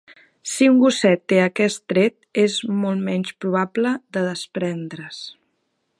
Si un gosset té aquest tret, és molt menys probable de desprendre's.